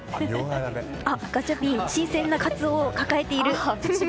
ガチャピン新鮮なカツオを抱えている。